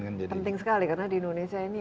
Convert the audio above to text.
penting sekali karena di indonesia ini